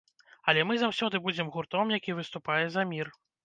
Але мы заўсёды будзем гуртом, які выступае за мір.